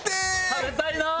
食べたいな！